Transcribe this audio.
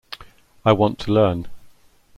I want to learn.